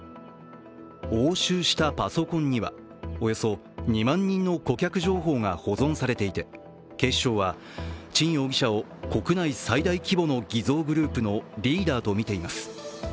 押収したパソコンにはおよそ２万人の顧客情報が保存されていて警視庁は沈容疑者を国内最大規模の偽造グループのリーダーとみています。